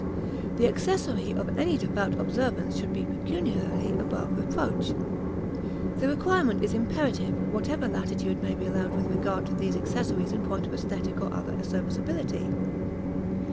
The accessories of any devout observance should be pecuniarily above reproach. This requirement is imperative, whatever latitude may be allowed with regard to these accessories in point of aesthetic or other serviceability.